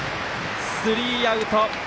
スリーアウト。